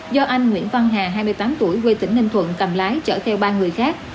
do anh nguyễn văn hà hai mươi tám tuổi quê tỉnh ninh thuận cầm lái chở theo ba người khác